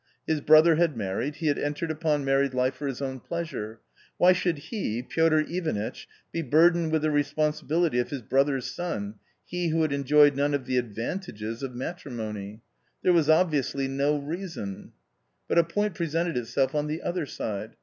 /His brother had married, he had entered upon married life for his own pleasure — why should he, Piotr Ivanitch, be burdened with the responsibility of his brother's son, he who had enjoyed none of the advantages • of matrimony ? There was obviously no reason, i But a point presented itself on the other side.